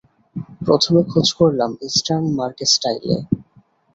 প্রথমে খোঁজ করলাম ইষ্টার্ন মার্কেস্টাইলে।